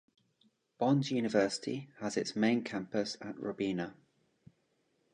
Bond University has its main campus at Robina.